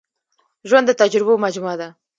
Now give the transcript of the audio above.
ژوند د تجربو مجموعه ده.